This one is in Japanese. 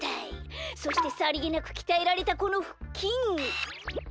そしてさりげなくきたえられたこのふっきん。